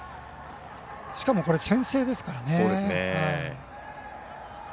しかも先制ですからね。